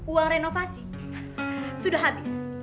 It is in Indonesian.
uang renovasi sudah habis